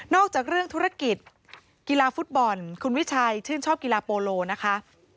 จากเรื่องธุรกิจกีฬาฟุตบอลคุณวิชัยชื่นชอบกีฬาโปโลนะคะ